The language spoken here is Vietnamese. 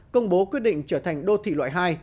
công bố quyết định trở thành đô thị loại hai